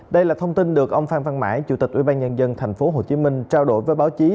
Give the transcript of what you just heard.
đây là thông tin được ông phan văn mãi chủ tịch ủy ban nhân dân tp hcm trao đổi với báo chí